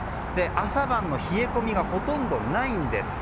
朝晩の冷え込みがほとんどないんです。